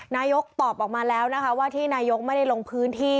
นายกตอบออกมาแล้วนะคะว่าที่นายกไม่ได้ลงพื้นที่